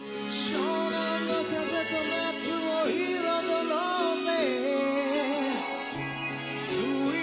湘南乃風と夏を彩ろうぜ。